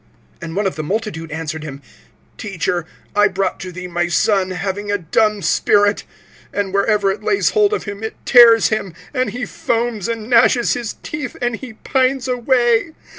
(17)And one of the multitude answered him: Teacher, I brought to thee my son, having a dumb spirit. (18)And wherever it lays hold of him, it tears him, and he foams, and gnashes his teeth, and he pines away.